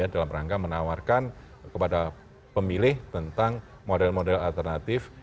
dalam rangka menawarkan kepada pemilih tentang model model alternatif